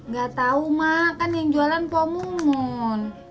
gak tau mak kan yang jualan pomo mon